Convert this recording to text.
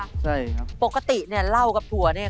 ใช่ครับปกติเนี่ยเหล้ากับถั่วเนี่ย